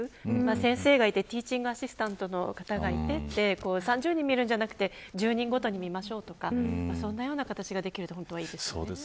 先生がいて、ティーチングアシスタントの方がいて３０人を見るんじゃなくて１０人ごとに見ましょうとかそんな形ができるといいなと思います。